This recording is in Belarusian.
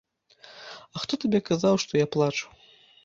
А хто табе казаў, што я плачу?